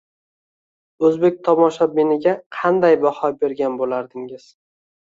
O‘zbek tomoshabiniga qanday baho bergan bo‘lardingiz?